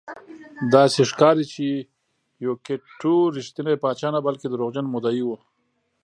داسې ښکاري چې یوکیت ټو رښتینی پاچا نه بلکې دروغجن مدعي و.